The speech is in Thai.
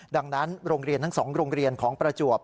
ดังนั้นโรงเรียนทั้ง๒โรงเรียนของประจวบ